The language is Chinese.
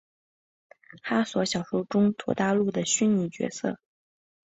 哈索小说中土大陆的虚构角色。